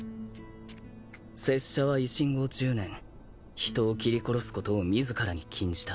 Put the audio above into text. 拙者は維新後１０年人を斬り殺すことを自らに禁じた。